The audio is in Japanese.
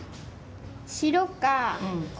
白かこれ。